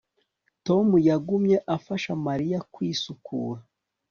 Tom yagumye gufasha Mariya kwisukura